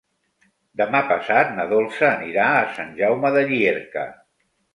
Demà passat na Dolça anirà a Sant Jaume de Llierca.